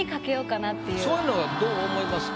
そういうのはどう思いますか？